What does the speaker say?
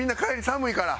寒いから。